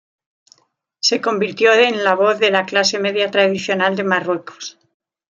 Se convirtió en la voz de la clase media tradicional de Marruecos.